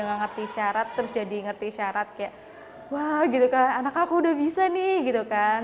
nggak ngerti syarat terus jadi ngerti syarat kayak wah gitu kan anak aku udah bisa nih gitu kan